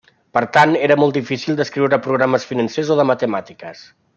Per tant era molt difícil d'escriure programes financers o de matemàtiques.